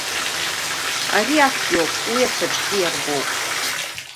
Ари актәиоуп, уи ацәаҿгьы иарбоуп.